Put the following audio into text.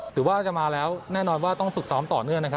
ถือว่าจะมาแล้วต้องฝึกซ้อมต่อเนื่อง